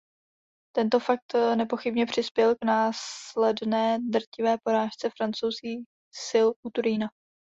Tento fakt nepochybně přispěl k následné drtivé porážce francouzských sil u Turína.